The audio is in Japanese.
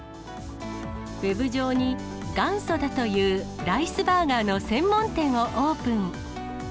ウェブ上に元祖だというライスバーガーの専門店をオープン。